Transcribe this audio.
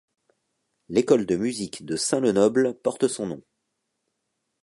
L'école de musique de Sin-le-Noble porte son nom.